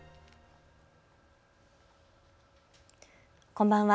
こんばんは。